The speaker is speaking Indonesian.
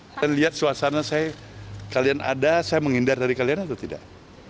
kalian lihat suasana saya kalian ada saya menghindar dari kalian atau tidak